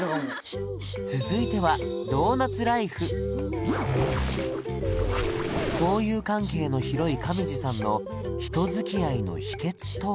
続いては交友関係の広い上地さんの人付き合いの秘訣とは？